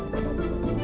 tante indi ma